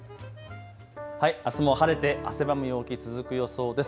あすも晴れて汗ばむ陽気続く予想です。